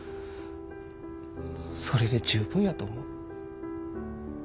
それで十分やと思う。